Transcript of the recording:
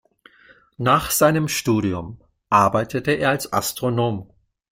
Nach seinem Studium arbeitete er als Astronom.